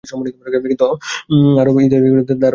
কিছু আরব ইতিহাস অনুযায়ী তাঁর ব্যাপারে তিনটি ভিন্ন তথ্য আছে।